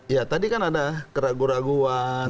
ya tadi kan ada keraguan keraguan